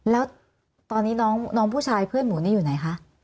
แล้วตอนนี้น้องผู้ชายเพื่อนหมูนี่อยู่ไหนคะ